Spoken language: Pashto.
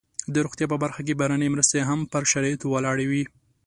د روغتیا په برخه کې بهرنۍ مرستې هم پر شرایطو ولاړې وي.